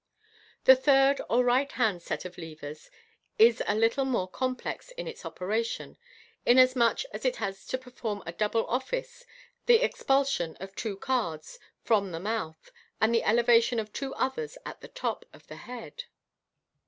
The third or right hand set of levers is a little more complex in its operation, inasmuch as it has to perform a double office, the expulsion of two cards from the mouth, and the elevation of two others at the top of the head.